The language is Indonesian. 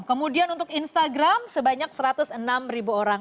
kemudian untuk instagram sebanyak satu ratus enam orang